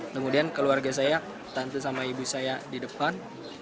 kemudian keluarga saya tante sama ibu saya di depan